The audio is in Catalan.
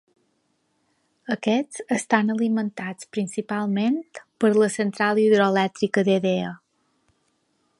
Aquests estan alimentats principalment per la Central Hidroelèctrica d'Edea.